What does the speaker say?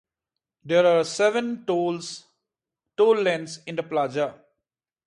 There are seven toll lanes at the plaza.